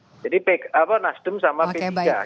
jadi nasdem sama p tiga